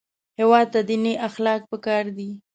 هېواد ته دیني اخلاق پکار دي